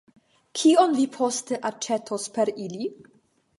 Kion vi poste aĉetos per ili?